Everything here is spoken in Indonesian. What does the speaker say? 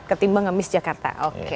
ketimbang emis jakarta oke